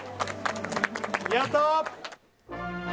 やった！